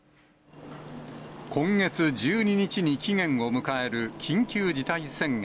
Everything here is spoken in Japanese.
今月１２日に期限を迎える緊急事態宣言。